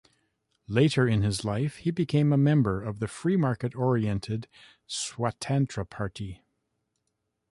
Later in his life, he became a member of the free-market-oriented Swatantra Party.